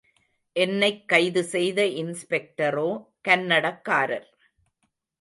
என்னைக் கைது செய்த இன்ஸ்பெக்டேரோ கன்னடக்காரர்.